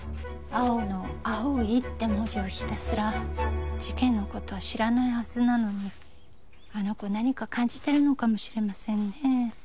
蒼生の「蒼い」って文字をひたすら事件のことは知らないはずなのにあの子何か感じてるのかもしれませんね